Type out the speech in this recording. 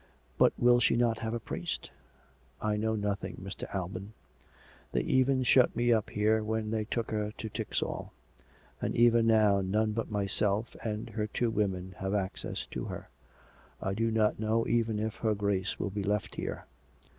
" But will she not have a priest? "" I know nothing, Mr. Alban. They even shut me up here when they took her to Tixall; and even now none but myself and her two women have access to her. I do not know even if her Grace will be left here.